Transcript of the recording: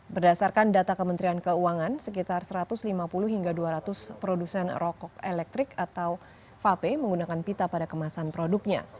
berdasarkan data kementerian keuangan sekitar satu ratus lima puluh hingga dua ratus produsen rokok elektrik atau vape menggunakan pita pada kemasan produknya